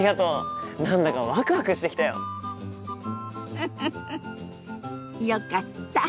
フフフよかった。